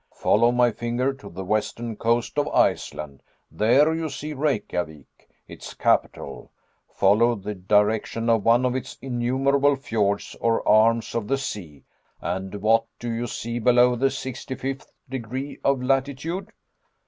"Follow my finger to the western coast of Iceland, there you see Reykjavik, its capital. Follow the direction of one of its innumerable fjords or arms of the sea, and what do you see below the sixty fifth degree of latitude?"